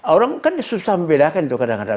orang kan susah membedakan itu kadang kadang